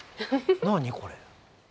何これ？